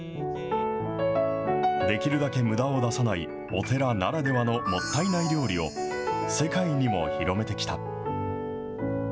できるだけむだを出さない、お寺ならではのもったいない料理を、世界にも広めてきた。